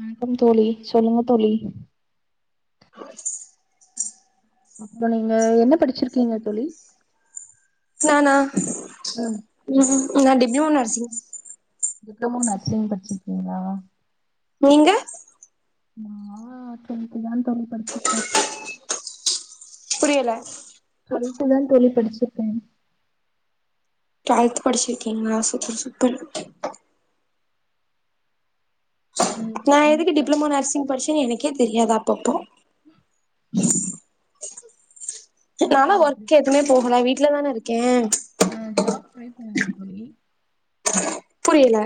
வணக்கம் தோழி சொல்லுங்க தோழி ஆ அப்புறோ நீங்க என்ன படிச்சிருக்கீங்க தோழி நானா ம் ம் இன்னா dip new nursing diploma nursing படிச்சிருக்கீங்களா நீங்க ந டூவெல்லட்டுதா தோழி படிச்சிருக்கே புரியல டுவெல்த் தா தோழி படிச்சிருக்கே டுவெல்த் படிச்சிருக்கீங்களா சூப்பர் சூப்பர் ம் நா எதுக்கு உங்களுக்கா டிப்ளமோ நர்சிங் படிச் டே எனக்கே தெரியாதா அப்பப்போ என்ன நானா தோழி அது ஒர்க் எதுமே போகல வீட் ட்ல தான இருக்கே ப் ஜாப் டிரை பண்ண தோழி புரியல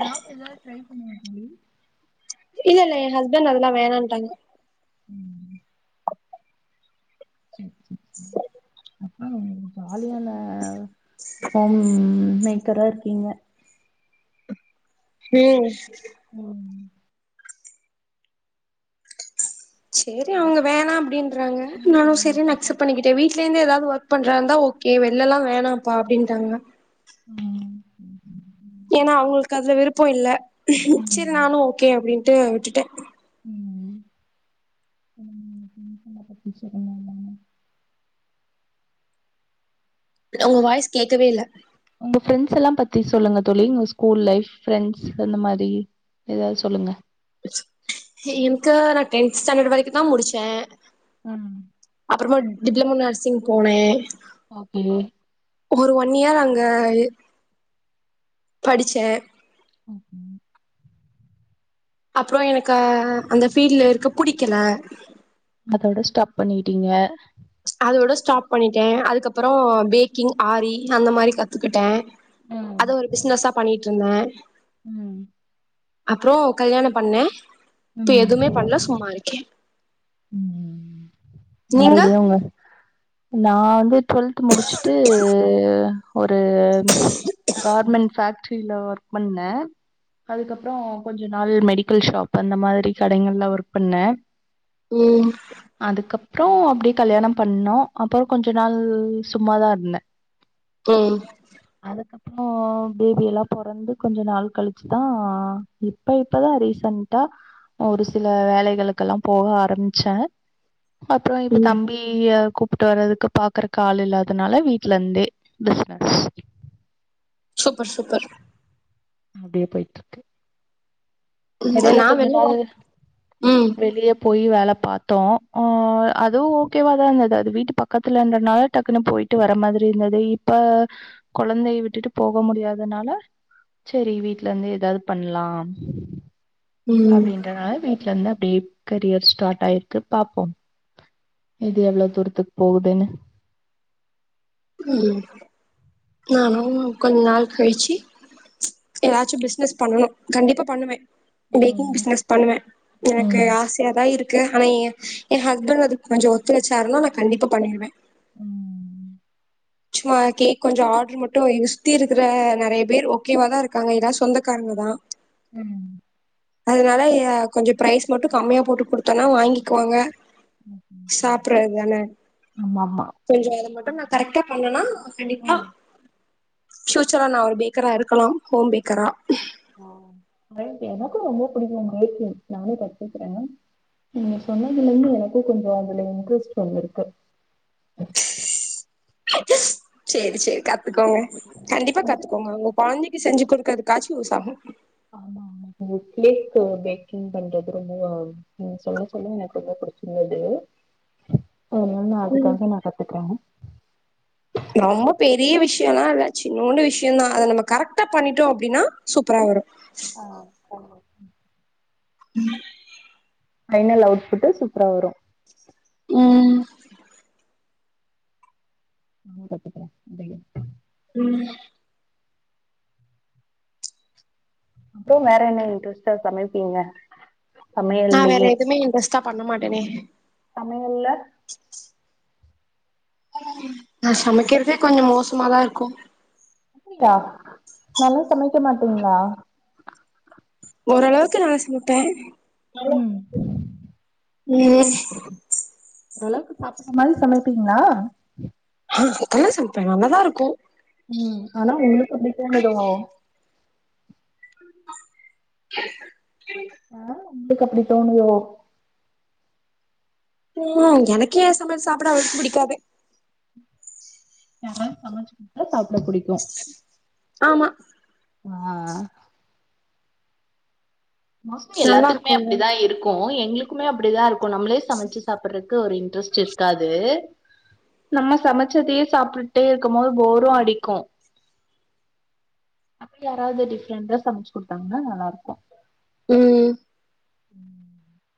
ஜாப் எதா டிரை பண்ண ம் இல்ல இல்ல ஏ ஹஸ்பண்ட் அதெல்லா வேணண்ட்டாங்க ம் சேரி சேரி சேரி அப்புறோ காலியான தம்மே த்தரா இருக்கீங்க ம் ம் சேரி அவங்க வேணாம் அப்பிடின்றாங்க சொல்லுங்க நானு தோழி உங்க சேரினு அக்செப்ட் ஃப்ரெண்ட்ஸ் பண்ணிக்கிட்டே வீட் வீட்லே இருந்து ஏதாவது ஒர்க் பண்றதா இருந்தா ஓகே வெளில்லா வேணாம்ப்பா அப்பிடின்ட்டாங்க உம் [unintelligible] ஏன்னா அவுங்களுக்கு எனக்கு அதுல விருப்போ இல்ல சரி ம் நானு ஓகே அப்டின்னு விட்டு விட்டுட்டே உங்கள பத்தி சொல்லுங்க என்னானு உங்க வாய்ஸ் கேக்கவே இல்ல உங்க ப்ரெண்ட்ஸ் எல்லாம் பத்தி சொல்லுங்க தோழி உங்க ஸ்கூல் லைஃப் ஃப்ரெண்ட்ஸ் அந்த மாதிரி ஏதாவது சொல்லுங்க எனக்கு நான் டென்த் ஸ்டாண்டட் வரைக்கு தா முடிச்சே உம் ஆ டிப்ளோமா நர்சிங் போனே ஓகே ஒரு ஒன் இயர் அங்க படிச்சே ஓகே அப்றோ எனக்கு க அந்த பீல்டுல இருக்க புடிக்கல அதோட ஸ்டாப் பண்ணிட்டீங்க அத விட ஸ்டாப் பண்ணிட்டே அதுக்கப்றோ பேக்கிங் ஆரி அந்த மாதிரி கத்துக்கிட்டே அத ஒரு பிசினஸ்ஸா பண்ணிட்டு இருந்தே ம் அப்றோ கல்யாணம் பண்ணே ம் இப்ப எதுவுமே பண்ணல சும்மா இருக்கே உம் நீங்க மறுபடியு அவுங்க நா வந்து டு்வெல்த் முடிச்சுட்டு கார்மெண்ட் ஃபேக்ட்ரி ஒர்க் பண்ணே அதுக்கப்றோ கொஞ்ச நாள் மெடிக்கல் ஷாப் அந்த மாதிரி கடைகள்ல ஒர்க் பண்ணே உம் அப்றோ அப்டியே கல்யாணம் பண்ணோ அப்றோ கொஞ்ச நாள் சும்மாதா இருந்தே உம் அப்றோ பேபி எல்லா பொறந்து கொஞ்ச நாள் கழிச்சுதா இப்ப இப்பதா ரீசன்டா ஒரு சில வேலைகளுக்கெல்லா போக ஆரம்பிச்சே அப்றோ இப்ப ம் தம்பி ப்பிட்டு வர்றதுக்கு பாக்குறதுக்கு ஆள் இல்லாதனால வீட்ல இருந்தே பிசினஸ் சூப்பர் சூப்பர் அப்டியே போயிட்ருக்கு ம் எடைல நா கொஞ்ச வெளில நாள் ஒர்க் ம் வெளிய போய் வேலப் பாத்தோ ஆ அதுவு ஓகேவாதா இந்தது அது வீட்டு பக்கத்துலன்றனால டக்குனு போயிட்டு வர மாதிரி இருந்தது இப்ப கொழந்தைய விட்டுட்டு போக முடியாதனால சரி வீட்லந்து எதாது பண்லா ம் அப்டின்றனால வீட்லந்த ப்டியே கரியர் ஸ்டார்ட் ஆயிருக்கு பாப்போம் இது எவ்ளோ தூரத்துக் போவுதுன்னு ம் நானு கொஞ்ச நாள் கழிச்சு எதாச்சு பிஸ்னஸ் பண்ணனு கண்டிப்பா பண்ணுவே பேக்கிங் ம் பிஸ்னஸ் பண்ணுவே எனக்கு ம் ஆசையாதா இரு க்கு ஆனா ஏ எ ஹஸ்பண்ட் அதுக் கொஞ்சொ ஒத்துழச்சாருனா நா கண்டிப்பா பண்ணிருவே ம் சும்மா கேக் கொஞ்ச ஆர்டர் மட்டு இங்க சுத்தி இருக்குற நெறைய பேர் ஓகேவாதா இருக்காங்க எல்லா சொந்தக்காரங்க தா ம் அதுனால எ கொஞ்ச ப்ரைஸ் மட்டு கம்மியா போட்டு குடுத்தோன்னா வாங்கிக்குவாங்க சாப்புறதுக்தான ஆமாமா கொஞ்சொ அத மட் டு நா கரெக்டா பண்ணனா கண்டிப்பா ம் ஃபியூச்சர்ல நா ஒரு பேக்கரா இருக்கனும் ஹோம் பேக்கரா ம் எனக்கு ரொம்ப புடிக்கு பேக்கிங் நானு‌ கத்துக்குறே நீங்க சொன்னதுலேந்து எனக்கு கொஞ்சொ அதுல இன்ட்ரெஸ்ட் வந்துருக்கு சேரி சேரி கத் துக்கோங்க கண்டிப்பா கத்துக்கோங்க உங்க கொழந்தைக் கு செஞ்சு குடுக்றதுகாச்சு யூஸ் ஆகு ஆமா ஆமா உங்க கேக்கு பேக்கிங் பண்றது ரொம்ப நீங்க சொல்ல சொல்ல எனக்கு ரொம்ப புடிச்சிருந்தது ஒன்னு நா ம் அதுக்காக நா கத்துக்றே ரொம்ப பெரிய விஷயொல்லா இல்ல சின்னோண்டு விஷ்யந்தா அத நம்ம கரெக்டா பண்ணிட்டோ அப்டின்னா சூப்பரா வரு ஆ ஆமா ம் பைனல் அவுட்புட்டு சூப்பரா வரு ம் நானு கத்துக்குறே [unintelligible] ம் அப்றோ வேற என்ன இன்ட்ரெஸ்டா சமைப்பீங்க? நா வேற சமையல்லயே எதுமே இன்டரெஸ்டா பண்ண மாட் டெனே சமையல்ல நா சமைக்கற்தே கொஞ்ச மோசமாதா இருக்கு பா‌ நல்லா சமைக்க மாட்டீங்ளா? ஓரளவுக்கு நல்லா சமைப்பேன் ம் ம் ஓரளவுக்கு சாப்பிடுற மாரி சமைப்பீங்களா ஆ நல்லா சமைப்பேன் நல்லாதான் இருக்கும் ம் ஆனா உங்களுக்கு அப்டி போணுதோ [inaudible] அ உங்களுக்கு அப்படி தோணுதோ ம் எனக்கே சமையல் சாப்பிட அவ்ளோக்கு பிடிக்காது யாராது சமைச்சு குடுத்தா சாப்பிட பிடிக்கும் ஆமா ஆ மோஸ்ட் நல்லா எல்லாத்துக்குமே இருக்குங்க அப்படிதான் இருக்கும் எங்களுக் குமே அப்படிதான் இருக்கும் நம்மளே சமைச்சு சாப்பிடுறக்கு ஒரு இன்ட்ரெஸ்ட் இருக்காது நம்ம சமைச்சதையே சாப்பிட்டுட்டே இருக்கும் போது போரும் அடிக்கும் அப்படி யாராவது டிஃப்ரெண்டா சமைச்சு குடுத்தாங்கன்னா நல்லா இருக்கும் ம் ம்